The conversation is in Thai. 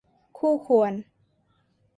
คู่ควร